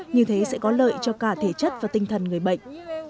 như thế sẽ có lợi cho cả thể chất và tinh thần người bệnh